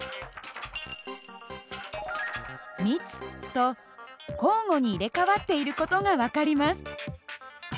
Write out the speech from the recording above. と交互に入れ代わっている事が分かります。